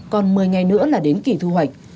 còn một mươi ngày nữa là đến kỳ thu hoạch